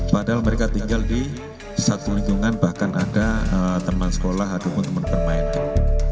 padahal mereka tinggal di satu lingkungan bahkan ada teman sekolah ataupun teman permainan